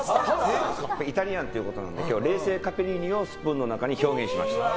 イタリアンということなので今日は冷製カッペリーニをスプーンの中に表現しました。